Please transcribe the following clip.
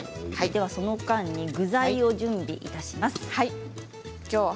その間に具材を準備します。